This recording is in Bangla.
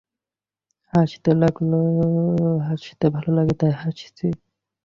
হাসতে ভালো লাগছে, তাই হাসছি।